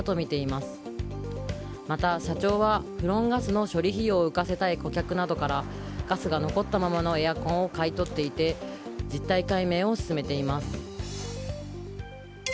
また、社長はフロンガスの処理費用を浮かせたい顧客などからガスが残ったままのエアコンを買い取っていて実態解明を進めています。